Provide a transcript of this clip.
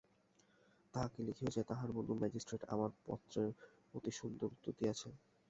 তাহাকে লিখিও যে, তাহার বন্ধু ম্যাজিষ্ট্রেট আমার পত্রের অতি সুন্দর উত্তর দিয়াছেন।